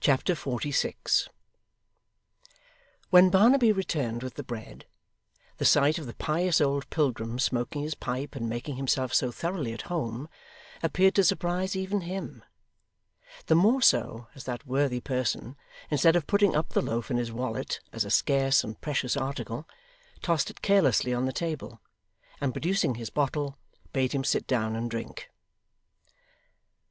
Chapter 46 When Barnaby returned with the bread, the sight of the pious old pilgrim smoking his pipe and making himself so thoroughly at home, appeared to surprise even him; the more so, as that worthy person, instead of putting up the loaf in his wallet as a scarce and precious article, tossed it carelessly on the table, and producing his bottle, bade him sit down and drink.